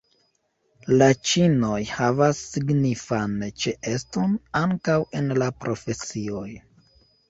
La ĉinoj havas signifan ĉeeston ankaŭ en la profesioj.